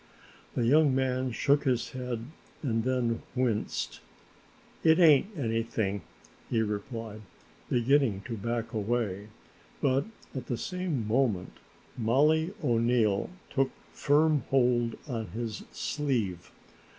The young man shook his head and then winced. "It ain't anything," he replied, beginning to back away, but at the same moment Mollie O'Neill took firm hold on his sleeve.